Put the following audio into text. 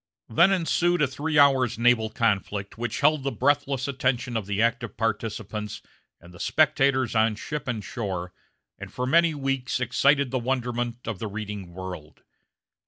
Then ensued a three hours' naval conflict which held the breathless attention of the active participants and the spectators on ship and shore, and for many weeks excited the wonderment of the reading world.